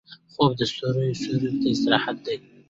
خوب د ستوريو سیوري ته استراحت دی